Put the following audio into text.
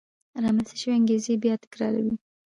رامنځته شوې انګېزې بیا تکرار وې.